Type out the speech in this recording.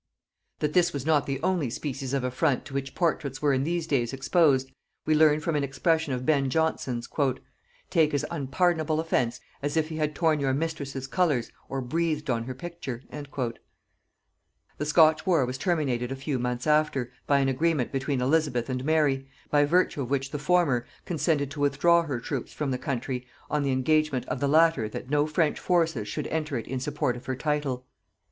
That this was not the only species of affront to which portraits were in these days exposed, we learn from an expression of Ben Jonson's: "Take as unpardonable offence as if he had torn your mistress's colors, or breathed on her picture." [Note 71: See "Every Man out of his Humour."] The Scotch war was terminated a few months after, by an agreement between Elizabeth and Mary, by virtue of which the former consented to withdraw her troops from the country on the engagement of the latter that no French forces should enter it in support of her title.